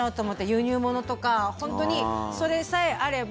輸入物とか本当にそれさえあれば。